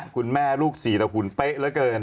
คุณแม่ลูกศรีตะคุณเป๊ะหรือเกิน